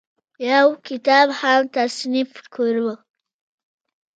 يو کتاب هم تصنيف کړو